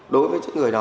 đối với những người đó